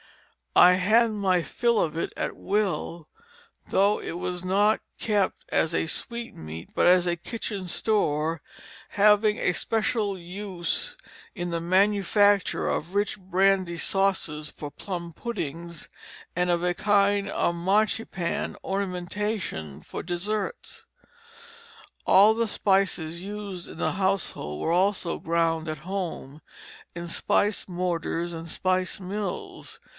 I had my fill of it at will, though it was not kept as a sweetmeat, but was a kitchen store having a special use in the manufacture of rich brandy sauces for plum puddings, and of a kind of marchepane ornamentation for desserts. All the spices used in the household were also ground at home, in spice mortars and spice mills.